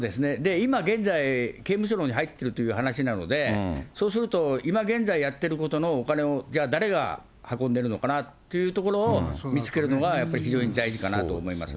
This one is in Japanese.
今現在、刑務所のほうに入ってるという話なので、そうすると今現在やってることのお金を、じゃあ誰が運んでるのかなというのを見つけるのが、やっぱ非常に大事かなと思いますね。